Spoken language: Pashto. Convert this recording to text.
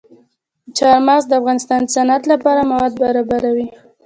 چار مغز د افغانستان د صنعت لپاره مواد برابروي.